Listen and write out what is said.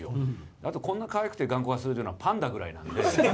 あとこんなかわいくて眼光鋭いのは、パンダぐらいなんで。